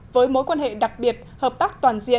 toàn diện việt nam lào